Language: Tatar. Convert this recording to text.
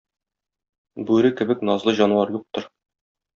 Бүре кебек назлы җанвар юктыр.